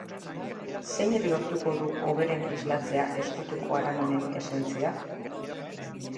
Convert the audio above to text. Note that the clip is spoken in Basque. Zeinek lortuko du hoberen islatzea ezkutuko haran honen esentzia?